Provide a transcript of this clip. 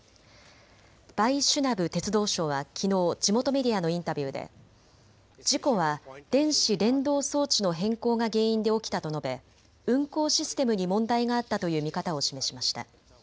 バイシュナブ鉄道相はきのう、地元メディアのインタビューで事故は電子連動装置の変更が原因で起きたと述べ運行システムに問題があったという見方を示しました。